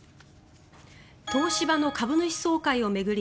東芝の株主総会を巡り